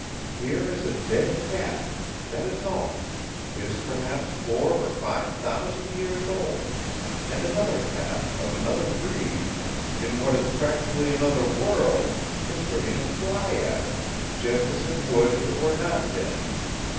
Here is a dead cat—that is all; it is perhaps four or five thousand years old—and another cat of another breed, in what is practically another world, is ready to fly at it, just as it would if it were not dead.